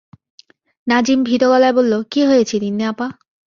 নাজিম ভীত গলায় বলল, কী হয়েছে তিন্নি আপা?